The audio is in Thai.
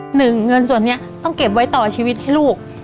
หนึ่งเงินส่วนนี้ต้องเก็บไว้ต่อชีวิตให้ลูก